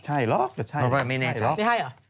ใช่หรอกคือใช่หรอกไม่แน่ใจ